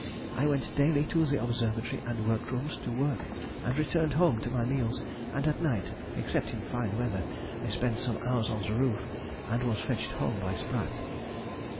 I went daily to the Observatory and work rooms to work, and returned home to my meals, and at night, except in fine weather, I spent some hours on the roof, and was fetched home by Sprat.